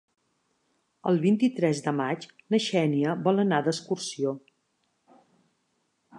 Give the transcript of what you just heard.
El vint-i-tres de maig na Xènia vol anar d'excursió.